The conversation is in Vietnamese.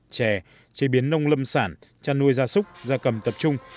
chè chế biến nông lâm sản chăn nuôi gia súc gia cầm tập trung